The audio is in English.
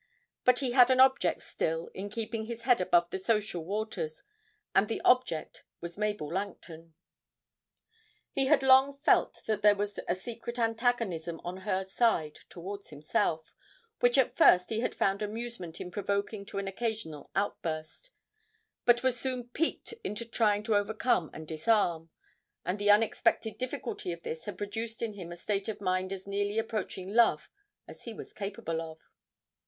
But he had an object still in keeping his head above the social waters, and the object was Mabel Langton. He had long felt that there was a secret antagonism on her side towards himself, which at first he had found amusement in provoking to an occasional outburst, but was soon piqued into trying to overcome and disarm, and the unexpected difficulty of this had produced in him a state of mind as nearly approaching love as he was capable of.